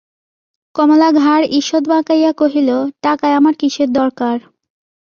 কমলা ঘাড় ঈষৎ বাঁকাইয়া কহিল, টাকায় আমার কিসের দরকার?